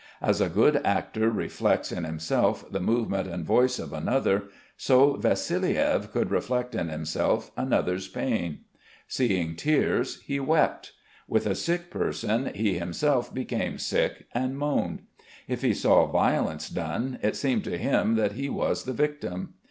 As a good actor reflects in himself the movement and voice of another, so Vassiliev could reflect in himself another's pain. Seeing tears, he wept. With a sick person, he himself became sick and moaned. If he saw violence done, it seemed to him that he was the victim.